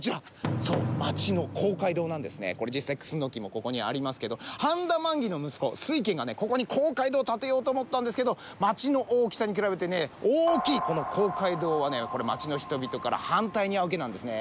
これ実際クスノキもここにありますけど繁田満義の息子翠軒がここに公会堂を建てようと思ったんですけど町の大きさに比べて大きいこの公会堂は町の人々から反対に遭うわけなんですね。